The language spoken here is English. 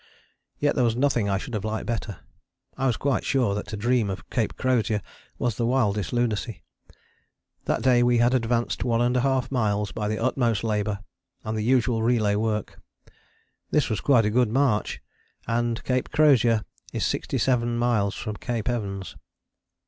Yet there was nothing I should have liked better: I was quite sure that to dream of Cape Crozier was the wildest lunacy. That day we had advanced 1½ miles by the utmost labour, and the usual relay work. This was quite a good march and Cape Crozier is 67 miles from Cape Evans!